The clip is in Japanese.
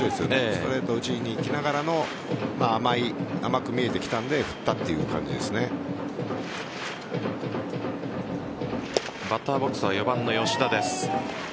ストレート打ちにいきながらの甘く見えてきたのでバッターボックスは４番の吉田です。